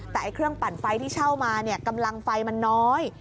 แต่เครื่องปั่นไฟที่เช่ามากำลังไฟมันน้อย